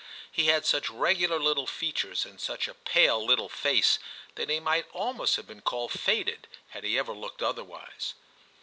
He had such regular little features and such a pale little face that he might almost have been called faded, had he ever looked otherwise.